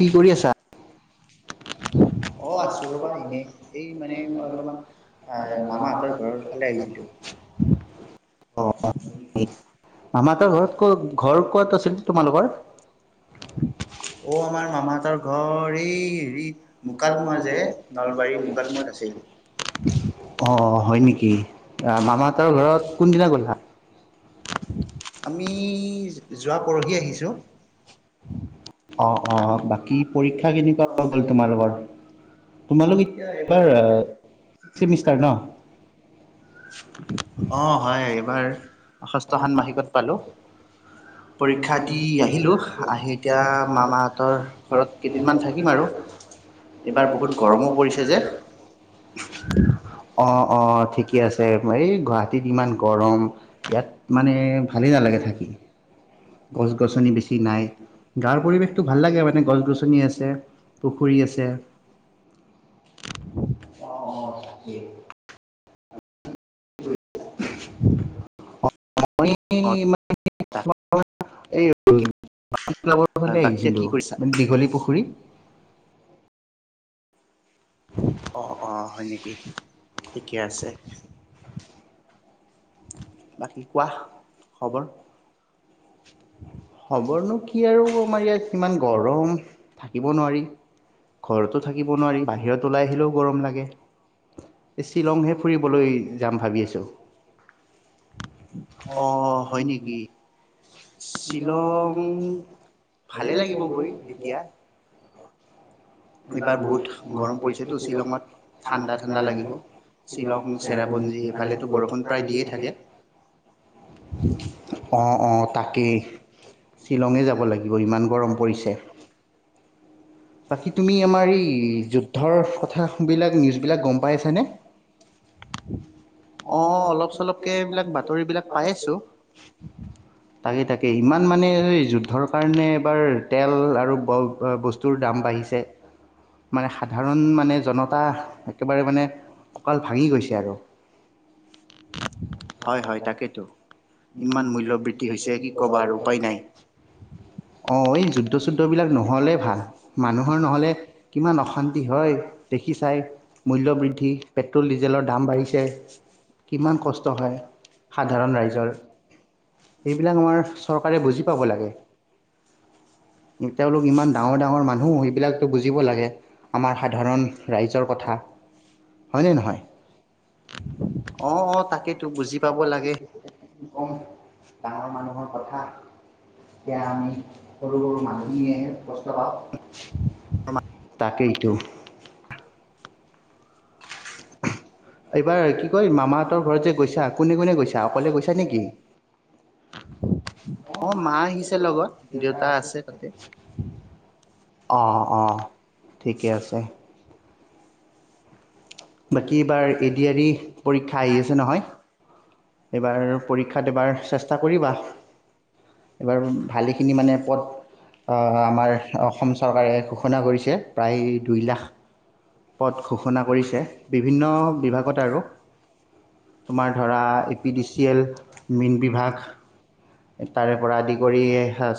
কি কৰি আছা অ' আছোঁ ৰ'বা এনেই এই মানে মই অলপমান মামাহঁতৰ ঘৰৰ ফালে আহিছিলোঁ। অ স মামাহঁতৰ ঘৰত অ ক ঘৰ ক'ত আমাৰ আছিল তোমালোকৰ? মামাহতৰ ঘৰ এই হেৰি মুকালমুৱা যে নলবাৰীৰ মুকালমাৱাত অ আছে হয় নেকি আহ মামাহতৰ ঘৰত কোনদিনা গ'লা ইই যোৱা পৰহি আহিছো অ বাকী হয় পৰীক্ষা কেনেকুৱা গ'ল তোমালোকৰ? তোমালোক এইবাৰ ছিমিষ্টাৰ এইবাৰ ন? ষষ্ঠ ষান্মাসিকত পালো পৰীক্ষা দি আহিলো আহি এতিয়া মামাহঁতৰ ঘৰত কেইদিনমান থাকিম আৰু। এইবাৰ বহুত গৰমো পৰিছে যে। অ'- অ' ঠিকে অ', আছে। এই গুৱাহাটীত ইমান গৰম। ইয়াত মানে ভালেই নালাগে থাকি। গছ-গছনি বেছি নাই। গাঁৱৰ পৰিৱেশটো ভাল লাগে। মানে গছ-গছনি আছে, পুখুৰী আছে। অ'- অ' [inaudible] অ'। আমি মানে অ', [unintelligible] ৰ ফালে বাকী এতিয়া কি আহিছিলোঁ। কৰিছা মানে দীঘলীপুখুৰী। অ'- অ' হয় নেকি? ঠিকে আছে। বাকী কোৱা খবৰ? খবৰনো কি আৰু আমাৰ ইয়াত ইমান গৰম থাকিব নোৱাৰি ঘৰতো থাকিব নোৱাৰি বাহিৰত ওলাই আহিলেও গৰম লাগে শ্বিলংহে ফুৰিবলৈ যাম ভাবি আছো অ' হয় নেকি? শ্বিলং ভালে লাগিব গৈ এতিয়া। এইবাৰ বহুত [unintelligible] গৰম পৰিছেতো শ্বিলঙত ঠাণ্ডা ঠাণ্ডা লাগিব শ্বিলং চেৰাপুঞ্জী এইফালেতো বৰষুণ প্ৰায় দিয়ে থাকে অ'- অ'- তাকেই। শ্বিলঙে যাব লাগিব। ইমান গৰম পৰিছে। বাকী তুমি আমাৰ এই যুদ্ধৰ কথাবিলাক নিউজবিলাক গম পাই আছা নে? অ', অলপ চলপকে এইবিলাক বাতৰিবিলাক পাই আছোঁ। তাকে তাকে ইমান মানে যুদ্ধৰ কাৰণে এবাৰ তেল আৰু বস্তু টোৰ দাম বাঢ়িছে। মানে সাধাৰণ মানে জনতা একেবাৰে মানে ককাঁল ভাঙি গৈছে আৰু। হয় হয় তাকেইতো মূল্যবৃদ্ধ আৰু উপায় নাই। অ নহ'লে এই যুদ্ধ চুদ্ধ বিলাক নহলে ভাল মানুহৰ নহলে কিমান অশান্তি হয় দেখি চাই মূল্য বৃদ্ধি পেটল ডিজেলৰ দাম বাঢ়িছে। কিমান কষ্ট হয়, সাধাৰণ ৰাইজৰ সেইবিলাক আমাৰ চৰকাৰে বুজি পাব লাগে তেওঁলোক ইমান ডাঙৰ ডাঙৰ মানুহ সেইবিলাকো বুজিব লাগে আমাৰ সাধাৰণ ৰাইজৰ কথা হয় নে নহয় অ'- অ' তাকেতো। বুজি পাব লাগে কওঁ ডাঙৰ মানুহৰ কথা এতিয়া আমি সৰু সৰু মানুহে কষ্ট পাওঁ তাকেই এইটো এইবাৰ কি কয় মামাহঁতৰ ঘৰত যে গৈছা কোনে কোনে গৈছা অকলে গৈছা নেকি অ' মা আহিছে লগত, দেউতা আছে তাতে। অ অ'-অ' ঠিকে আছে। বাকী এইবাৰ এ ডি আৰ ই পৰীক্ষা আহি আছে নহয়। এইবাৰ পৰীক্ষা দিবাৰ চেষ্টা কৰিবা। এইবাৰ ভালেখিনি মানে পদ আমাৰ অসম চৰকাৰে ঘোষণা কৰিছে প্ৰায় দুই লাখ পদ ঘোষণা কৰিছে। বিভিন্ন বিভাগত আৰু। তোমাৰ ধৰা বি-ডি-ছি-এল মীন বিভাগ, তাৰে পৰা আদি কৰি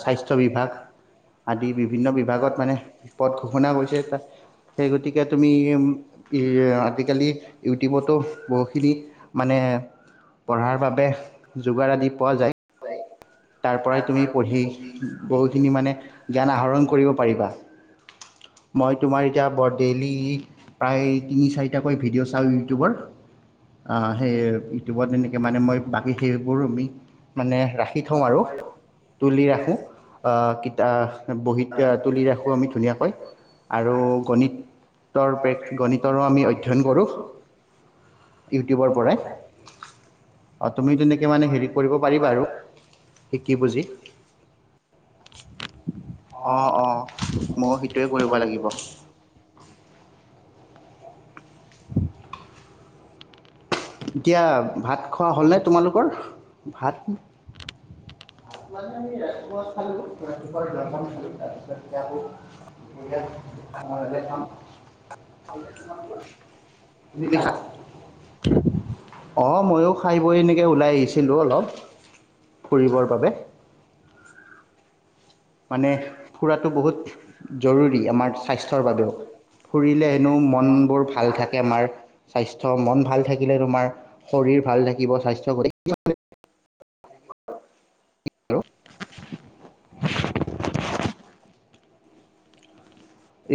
স্বাস্থ্য বিভাগ, আদি বিভিন্ন যাৰ বিভাগত মানে পদ ঘোষণা কৰিছে, সেইগতিকে তুমি ইম ইয়ে টিকেট লি ইউটিউবতো, বহুখিনি মানে পঢ়াৰ বাবে যোগাৰ আদি পোৱা যায়। পায় তাৰ পৰাই তুমি পঢ়ি বহুখিনি মানে জ্ঞান আহৰণ কৰিব পাৰিবা। মই তোমাৰ এতিয়া বৰ ডেইলি প্ৰায় তিনি চাৰিটাকৈ ভিডিঅ' চাওঁ ইউটিউবৰ। অ' সেই ইউটিউবত এনেকৈ মানে মই বাকী সেইবোৰো আমি মানে ৰাখি থওঁ আৰু তোমাৰ তুলি ৰাখোঁ। আছে আ কিতা বহীত তুলি ৰাখোঁ আমি ধুনীয়াকৈ আৰু আৰু গণিতৰ-গণিতৰো গণিতৰো আমি অধ্যয়ন কৰোঁ, কৰো ইউটিউবৰ পৰাই। অ' তুমিও তেনেকৈ মানে হেৰি কৰিব পাৰিবা আৰু শিকি বুজি। অ' অ' ময়ো হিত টোৱে কৰিব লাগিব। টক্ এতিয়া ভাত খোৱা হ'লনে তোমালোকৰ? ভাত ভাতটো আমি ৰাতিপুৱা খালো, ৰাতিপুৱাৰ জলপান খালো তাৰপিছত এতিয়া আকৌ দুপৰীয়া আমাৰ ইয়াতে খাম। তুমি খা অ, ময়ো খা খাই বৈ এনেকৈ ওলাই আহিছিলোঁ অলপ, ফুৰিবৰ বাবে! মানে ফুৰাটো বহুত জৰুৰী আমাৰ স্বাস্থ্যৰ বাবেও, ফুৰিলে হেনো মনবোৰ ভাল থাকে আমাৰ। স্বাস্থ্য মন ভাল থাকিলে তোমাৰ শৰীৰ ভাল থাকিব স্বাস্থ্য গতি হয় হেল্ল'।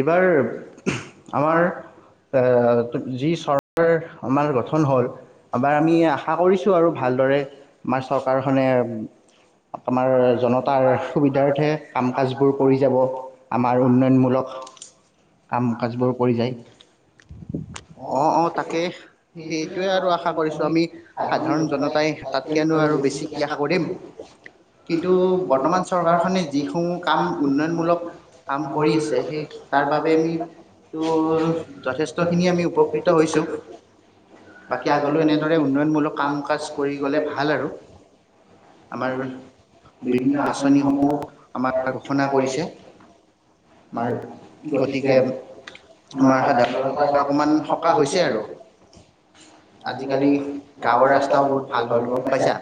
এইবাৰ আমাৰ আহ এ যি চৰ আমাৰ গঠন হ'ল। আমাৰ আমি আশা কৰিছোঁ আৰু ভালদৰে আমাৰ চৰকাৰখনে আমাৰ জনতাৰ সুবিধাৰ্থে কাম-কাজবোৰ কৰি যাব, আমাৰ উন্নয়নমূলক কাম-কাজবোৰ কৰি যায় তে সেইটোৱে আৰু আশা কৰিছোঁ আমি সাধাৰণ জনতাই তাতকেনো আৰু বেছি কি আশা কৰিম? কিছু কিন্তু বৰ্তমান বনবাস চৰকাৰখনে সভাখনে যিসমূহ যিখিনি কাম উন্নয়নমূলক কাম কৰি কৰিছে আছে সেই তাৰ বাবে বাবেই আমি [unintelligible] যথেষ্টখিনি আমি উপকৃত হৈছিলোঁ। বাকী আগলৈও এনেদৰে উন্নয়নমূলক কাম-কাজ কৰি গ'লে ভাল আৰু। আমাৰ বিভিন্ন আঁচনিসমূহ আমাৰ ঘোষণা কৰিছে। আমাৰ, গতিকে আমাৰ সাধাৰণ জনতাৰ অকণমান সকাহ হৈছে আৰু। আজিকালি গাঁৱৰ ৰাস্তাও বহুত ৰাস্তাসমূহ ভাল হ'ল কৰিব গম পাৰিছে। পাইছা।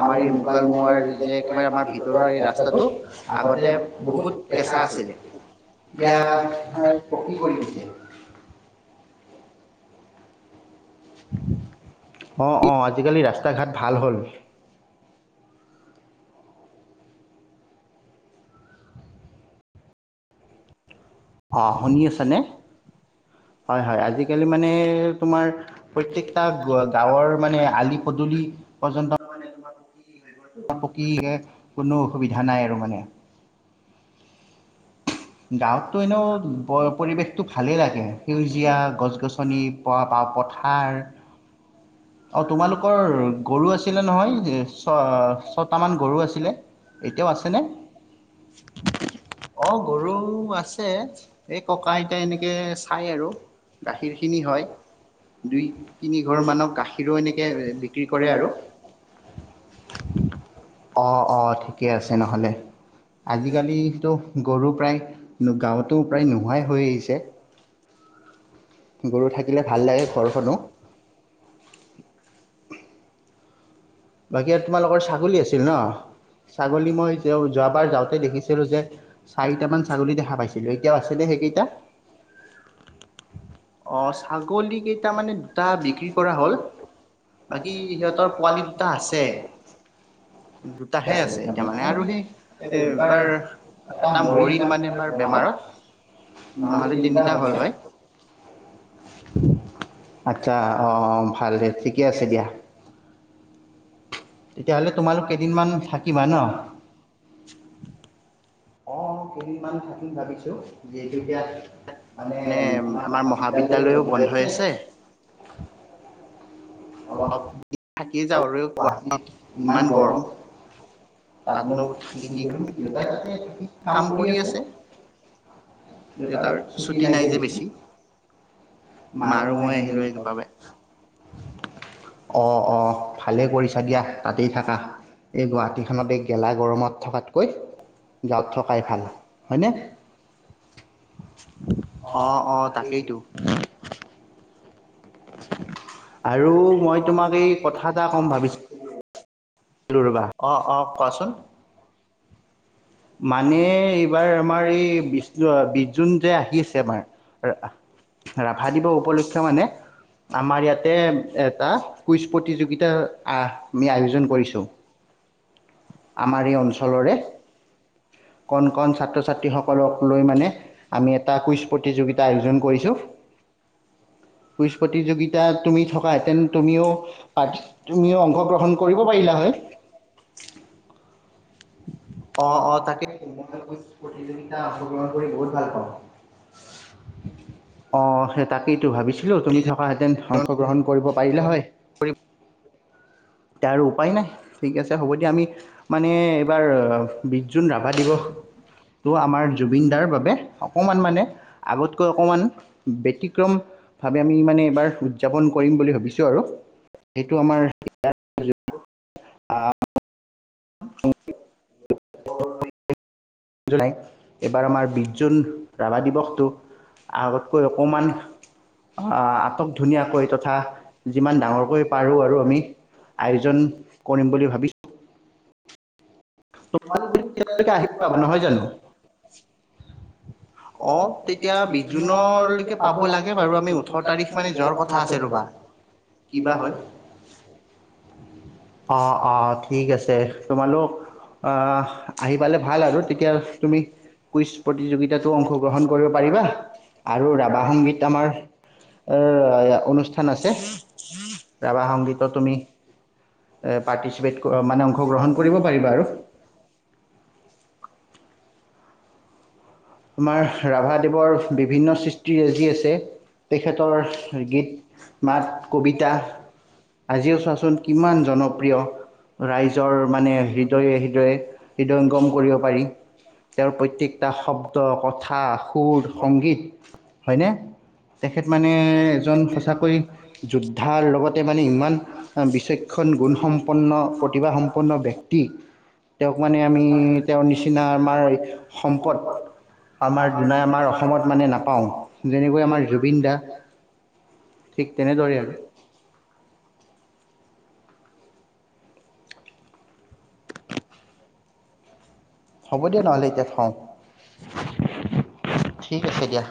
আমাৰ এই এনেকুৱাধৰণৰ মুকালমোৱাৰ যে একেবাৰে আমাৰ গাৱৰ ভিতৰুৱা ভিতৰৰ এই ৰাস্তাটো ৰাস্তাবোৰ আগতে বহুত কেঁচা আছিল। দিয়া ভাই পকী কৰিম এতিয়া। অঁ - অঁ, আজিকালি ৰাস্তা-ঘাট ভাল হ'ল। অঁ শুনি আছা এতিয়া নে? হয় - হয়, আজিকালি মানে তোমাৰ প্ৰত্যেকটা গ- গাঁৱৰ মানে আলি-পদুলি গাঁৱত পৰ্যন্ত মানে তোমাৰ কি হৈ গ'লতো পকী কোনো অসুবিধা নাই আৰু মানে। গাঁৱত গাঁৱতটো ধৰি এনেও লও ব- পৰিৱেশতটো ভালেই লাগে। সেউজীয়া গছ গছনি, প- বা পথাৰ, অ' তোমালোকৰ গৰু আছিলে নহয়? ছ- ছটামান গৰু আছিলে, এতিয়াও আছেনে? অ' গৰু আছে, এই সপ্তাহ ককা-আইতাই এনেকে এনেকৈ চাই আৰু! চাইছিলো গাখীৰ খিনি গাখীৰখিনি হয়। দুই তিনি ঘৰ মানত দুই-তিনিঘৰমানক গাখীৰ ৰো তেনেকে এনেকৈ এ- বিক্ৰী কৰে আৰু। হু অ' - অ', ঠিকে আছে নহ'লে। আজিকালি তো গৰু প্ৰায় গাঁৱত টো প্ৰায় নোহোৱাই হৈ আহিছে। গৰু থাকিলে ভাল লাগে ঘৰখনো! বাকী আৰু তোমালোকৰ ছাগলী আছিল ন'? ছাগলী মই যেও- যোৱাবাৰ যাওঁতে দেখিছিলোঁ যে, চাৰিটামান ছাগলী দেখা পাইছিলোঁ। এতিয়াও আছেনে সেইকেইটা? অ' ছাগলী ছাগলীকেইটা কেইটা মানে, দুটা বিক্ৰী কৰা হ'ল। বাকী সিহঁতৰ পোৱালি দুটা তে। দুটাহে আছে এতিয়া মানে সিহঁতবিলাক। আৰু আমি সেই- এই ৰবিবাৰ এবাৰ এটা মৰি মৰিল ইমান মানে এবাৰ জনাওঁ বেমাৰত। নহ'লে তিনিটা হ'ল হয়। হু আচ্ছা, অ'- অ', ভাল দে। ঠিকে আছে দিয়া। তেতিয়াহ'লে তোমালোক কেইদিনমান থাকিবা ন? অ' কেইদিনমান থাকিম ভাবিছোঁ। যিহেতু ইয়াত মানে আমাৰ মহাবিদ্যালয়ো বন্ধ ৰাখিছে। [unintelligible] কি যাওঁ আৰু। গুৱাহাটীত ইমান গৰম। তাতনো থাকি কি কৰিম? সেইটো কাম কৰি আছে। তাৰ ছুটি নাই যে বেছি! মা আৰু মাৰই মই আহিলো বাবে অ অ ভালেই কৰিছা দিয়া তাতেই থাকা এই গুৱাহাটীখনত এই গেলা গৰমত থকা কয় যত থকাই ভাল হয়নে অ [unintelligible] আৰু মই তোমাক এই কথা এটা কম ভাবিছোঁ অ অ কোৱাচোন মানে এইবাৰ আমাৰ এই বি বিছ জুন যে আহি আছে আমাৰ ৰাভা দিৱস উপলক্ষে মানে আমাৰ আমি ইয়াতে এটা কুইজ প্ৰতিযোগিতা আহ আমি আয়োজন কৰিছো আমাৰ এই অঞ্চলৰে কণ কণ ছাত্ৰ ছাত্ৰীসকলক লৈ মানে আমি এটা কুইজ প্ৰতিযোগিতা আয়োজন কৰিছোঁ কুইজ প্ৰতিযোগিতাত তুমি থকা হেঁতেন তুমিও তুমিও অংশগ্ৰহণ কৰিব পাৰিলা হয় অ অ তাকেই কি প্ৰতিযোগিতা অংশগ্ৰহণ কৰি বহুত ভাল পাওঁ আহ সেই তাকেই ভাবিছিলো তুমি থকা হেতেন অংশগ্ৰহণ কৰিব পাৰিলে হয় এতিয়া আৰু উপায় নাই ঠিক আছে হ'ব দিয়া আমি মানে এইবাৰ বিছ জুন ৰাভা দিৱসটো আমাৰ জুবিন দাৰ বাবে অকণমান মানে আগতকৈ অকণমান ব্যতিক্ৰমভাৱে আমি মানে এইবাৰ উদযাপন কৰিম বুলি ভাবিছোঁ আৰু সেইটো আমাৰ অ [unintelligible] নাই [inaudible] এইবাৰ আমাৰ বিছ জুন ৰাভা দিৱসটো আগতকৈ অকমান আহ আটক ধুনীয়াকৈ তথা যিমান ডাঙৰকৈ পাৰো আৰু আমি আয়োজন কৰিম বুলি ভাবিছো তোমালোক যদি তেতিয়ালৈকে আহিব বাৰু নহয় জানো অ আহ তেতিয়া বিছ বিভিন্ন জুনলৈকে পাব মানে লাগে বাৰু আমি ওঠৰ মানে তাৰিখ যোৱাৰ কথা আছে দাদা ৰ'বা। কিবা হয়। অ অ ঠিক আছে তোমালোক আহ আহি পালে ভাল আৰু তেতিয়া তুমি কুইজ প্ৰতিযোগিতা অংশগ্ৰহণ কৰিব পাৰিবা আৰু ৰাভা সংগীত আমাৰ অনুষ্ঠান আছে ৰাভা সংগীতত তুমি পাৰ্টিচিপেট মানে অংশগ্ৰহণ কৰিব পাৰিবা আৰু আমাৰ তোমাৰ ৰাভা দেৱৰ ৰাভাদেৱৰ বিভিন্ন সৃষ্টি সৃষ্টিৰাজি ৰচি আছে তেখেতৰ গীত মাত কবিতা আজিও চোৱাচোন কিমান জনপ্ৰিয় ৰাইজৰ মানে হৃদয়ে হৃদয়ে হৃদয়ংগম কৰিব পাৰি তেওঁৰ প্ৰত্যেকটা শব্দ আৰু কথা সুৰ সংগীত হয়নে তেখেত মানে মানে এজন সঁচাকৈ যোদ্ধাৰ লগতে মানে ইমান বিচক্ষণ এজন গুণসম্পন্ন প্ৰতিভাসম্পন্ন গুণসম্পন্ন ব্যক্তি তেওঁক মানে আমি তেওঁৰ নিচিনা আমাৰ মানে সম্পদ আমাৰ দুনাই আমাৰ অসমত মানে নাপাওঁ যেনেকৈ আমাৰ জুবিন দা ঠিক তেনেদৰেই তেনেদৰে আৰু হ'ব দিয়া নহ'লে এতিয়া থওঁ সকলোৱে ঠিক আছে দিয়া